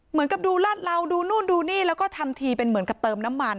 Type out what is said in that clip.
เหมือนกับดูลาดเหลาดูนู่นดูนี่แล้วก็ทำทีเป็นเหมือนกับเติมน้ำมัน